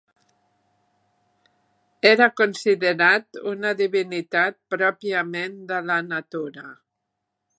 Era considerat una divinitat pròpiament de la natura.